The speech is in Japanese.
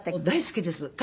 大好きです。